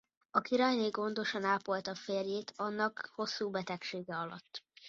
A királyné gondosan ápolta férjét annak hosszú betegsége alatt.